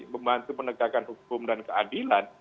membantu penegakan hukum dan keadilan